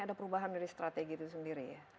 ada perubahan dari strategi itu sendiri ya